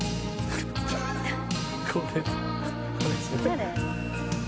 誰？